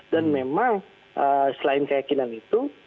dan memang selain keyakinan itu